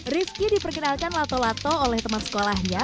rizky diperkenalkan lato lato oleh teman sekolahnya